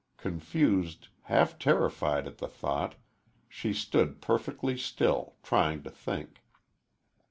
Confused, half terrified at the thought, she stood perfectly still, trying to think.